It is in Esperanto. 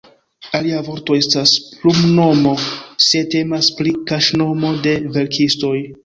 Alia vorto estas "plumnomo", se temas pri kaŝnomo de verkistoj.